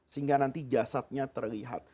sehingga nanti jasadnya terlihat